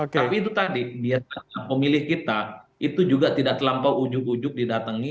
tapi itu tadi biasanya pemilih kita itu juga tidak terlampau ujuk ujug didatangi